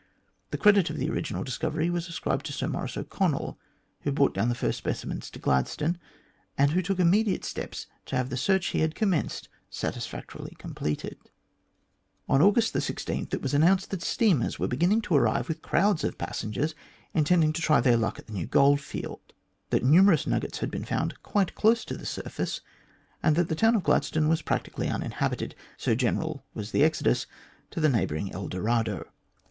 The credit of the original discovery was ascribed to Sir Maurice O'Connell, who brought down the first speci mens to Gladstone, and took immediate steps to have the search he had commenced satisfactorily completed. On August 16, it was announced that steamers were beginning to arrive with crowds of passengers intending to try their luck at the new goldfield, that numerous nuggets had been found quite close to the surface, and that the town of Gladstone was practically uninhabited, so general was the exodus to the neighbouring El Dorado.